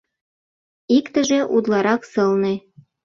Иктыже утларак сылне.